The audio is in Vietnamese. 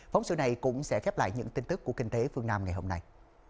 phóng sự này cũng sẽ khép lại những tin tức của kinh tế phương nam ngày hôm nay